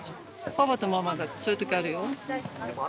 パパとママだってそういう時あるよ。